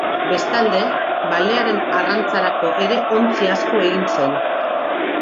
Bestalde, balearen arrantzarako ere ontzi asko egin zen.